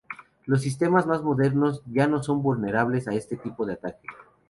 Los sistemas más modernos ya no son vulnerables a este tipo de ataque.